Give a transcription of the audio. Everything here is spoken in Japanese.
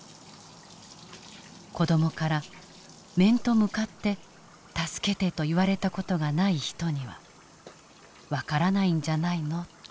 「子どもから面と向かって助けてと言われた事がない人には分からないんじゃないの」と。